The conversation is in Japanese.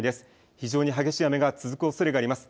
非常に激しい雨が続くおそれがあります。